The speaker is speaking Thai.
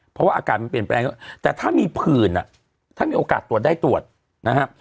เพราะว่าอากาศมันเปลี่ยนแปลงเยอะแต่ถ้ามีผื่นอ่ะถ้ามีโอกาสตรวจได้ตรวจนะครับ